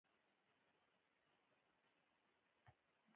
_ادې ! ډوډۍ دې موندلې ده؟